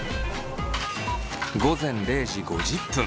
午前０時５０分